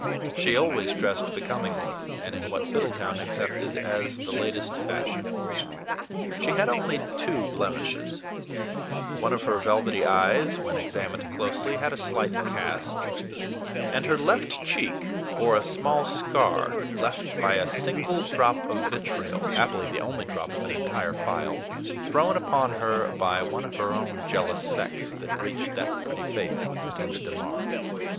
She always dressed becomingly, and in what Fiddletown accepted as the latest fashion. She had only two blemishes: one of her velvety eyes, when examined closely, had a slight cast; and her left cheek bore a small scar left by a single drop of vitriol happily the only drop of an entire phial thrown upon her by one of her own jealous sex, that reached the pretty face it was intended to mar.